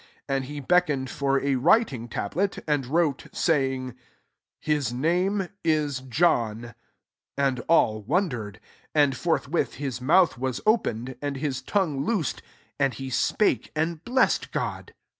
6$ And he beckon^ for a writing*tablety and wrois oayingy ^^Ms mane is John. J^ aU wondered. 64 And fbrthwiti his mouth woe openedy tmd hi tongue loosed, and he spake y am blessed God.